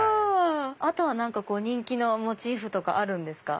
あとは人気のモチーフとかあるんですか？